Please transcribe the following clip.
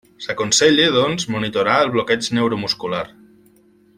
S'aconsella, doncs, monitorar el bloqueig neuromuscular.